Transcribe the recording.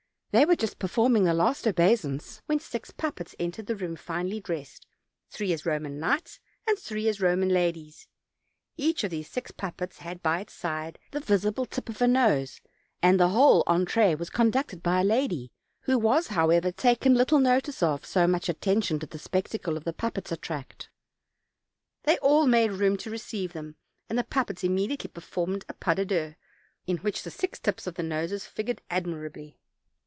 They were just performing the last obeisance, when six puppets entered the room finely dressed, three as Koman knights, and three as Eoman ladies; each of these six puppets had by its side the visible tip of a nose, and the whole entree was conducted by a lady, who was, however, taken little notice of, so much attention did the spectacle of the puppets attract. They all made room to receive them, and the puppets immediately performed a pas de douze, in which the six tips of the noses figured admirably.